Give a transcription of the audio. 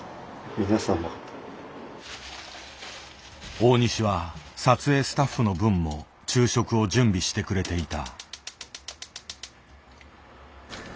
大西は撮影スタッフの分も昼食を準備してくれていた。